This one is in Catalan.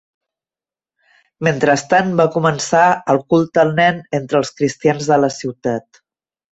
Mentrestant, va començar el culte al nen entre els cristians de la ciutat.